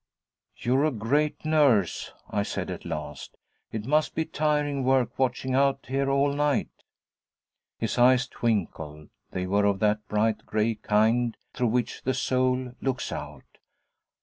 'You're a great nurse!' I said at last. 'It must be tiring work, watching out here all night.' His eyes twinkled; they were of that bright gray kind through which the soul looks out.